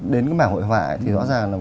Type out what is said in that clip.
đến cái mảng hội họa thì rõ ràng là